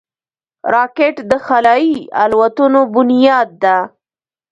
راکټ د خلایي الوتنو بنیاد ده